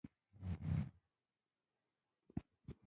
يره دا اسې چې شيان څوک پټ نکي.